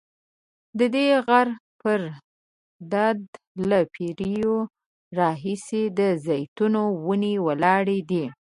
ددې غره پر ډډه له پیړیو راهیسې د زیتونو ونې ولاړې دي.